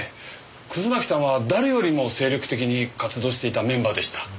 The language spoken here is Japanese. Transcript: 葛巻さんは誰よりも精力的に活動していたメンバーでした。